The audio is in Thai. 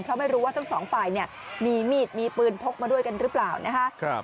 เพราะไม่รู้ว่าทั้งสองฝ่ายเนี่ยมีมีดมีปืนพกมาด้วยกันหรือเปล่านะคะ